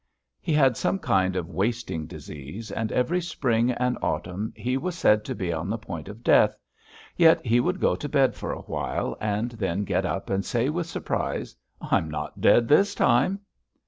He had some kind of wasting disease, and every spring and autumn he was said to be on the point of death, but he would go to bed for a while and then get up and say with surprise: "I'm not dead this time!"